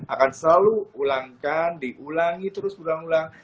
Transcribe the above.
akan selalu ulangkan diulangi terus berulang ulang